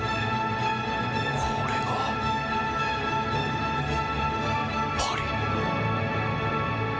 これが、パリ。